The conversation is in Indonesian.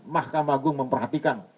mahkamah agung memperhatikan